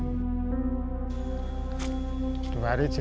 ya dua hari sekali